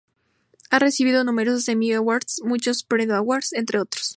Ha recibido numerosos Emmy Awards, muchos Peabody Awards, entre otros.